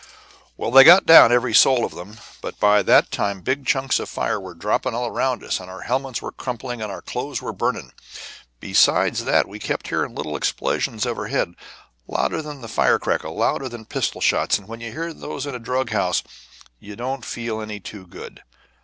[Illustration: A HOT PLACE.] "Well, they got down, every soul of 'em, but by that time big chunks of fire were dropping all around us, and our helmets were crumpling and our clothes were burning. Besides that, we kept hearing little explosions overhead, louder than the fire crackle, louder than pistol shots, and when you hear those in a drug house you don't feel any too good.